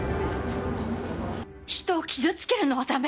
人を傷つけるのはだめ！